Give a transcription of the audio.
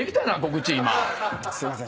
すいません。